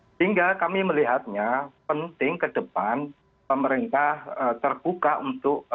sehingga kami melihatnya penting ke depan pemerintah terbuka untuk